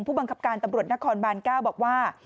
ผู้บังคับการตำรวจนครบาน๙บอกว่า